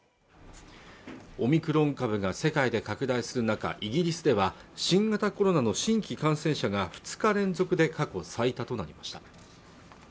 オミクロン株が世界で拡大する中イギリスでは新型コロナの新規感染者が２日連続で過去最多となりました